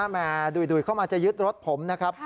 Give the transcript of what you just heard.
แม่ดุยเข้ามาจะยึดรถผมนะครับ